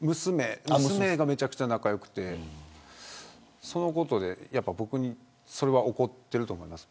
娘がめちゃくちゃ仲良くてそのことで僕に怒っていると思います。